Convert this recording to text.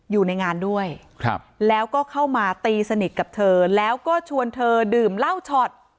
อยู่ในงานด้วยแล้วก็เข้ามาตีสนิทกับเธอแล้วก็ชวนเธอดื่มเหล้าช็อต